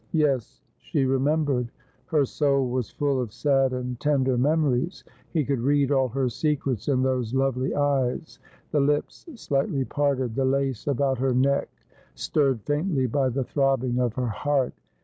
Yes, she remembered. Her soul was full of sad and tender memories. He could read all her secrets in those lovely eyes, the lips slightly parted, the lace about her neck stirred faintly by the throbbing of her heart.